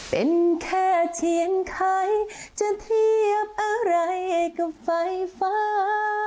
เป็นแค่เทียนไข่จะเทียบอะไรกับไฟฟ้า